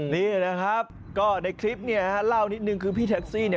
นี่นะครับก็ในคลิปเนี่ยฮะเล่านิดนึงคือพี่แท็กซี่เนี่ย